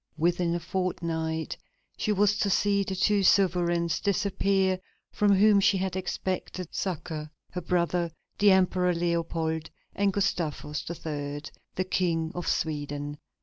Within a fortnight she was to see the two sovereigns disappear from whom she had expected succor: her brother, the Emperor Leopold, and Gustavus III., the King of Sweden.